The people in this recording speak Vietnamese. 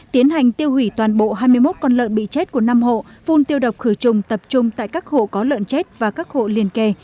tiến hành tiêu hủy toàn bộ hai mươi một con lợn bị chết của năm hộ phun tiêu độc khử trùng tập trung tại các hộ có lợn chết và các hộ liên kề